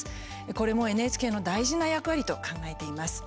これもＮＨＫの大事な役割と考えています。